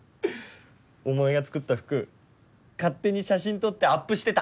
お前が作った服勝手に写真撮ってアップしてた。